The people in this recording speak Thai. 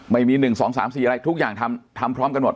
ไม่มี๑๒๓๔อะไรทุกอย่างทำพร้อมกันหมด